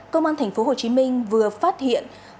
công an tp hcm vừa phát hiện